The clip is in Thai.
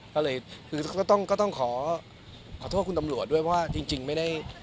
ก็เลยคือก็ต้องขอโทษคุณตำรวจด้วยเพราะว่าจริงไม่ได้